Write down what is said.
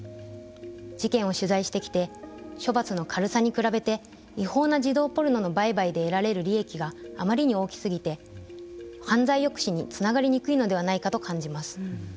事件を取材してきて処罰の軽さに比べて違法な児童ポルノの売買で得られる利益があまりに大きすぎて犯罪の抑止につながりにくいのではないかと感じます。